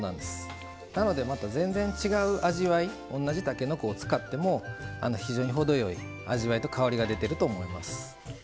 なのでまた全然、違う味わい同じたけのこを使っても非常に程よい味わいと香りが出ていると思います。